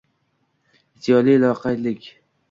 Ziyoli loqaydlik